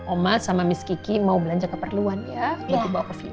oma sama miss kiki mau belanja keperluan ya kita bawa ke villa